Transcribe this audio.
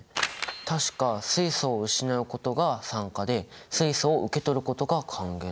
確か水素を失うことが酸化で水素を受け取ることが還元だったよね。